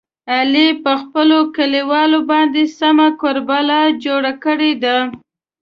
علي په خپلو کلیوالو باندې سمه کربلا جوړه کړې ده.